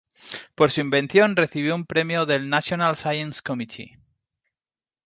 Por su invención recibió un premio del "National Science Committee".